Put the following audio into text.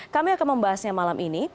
kami akan membahasnya malam ini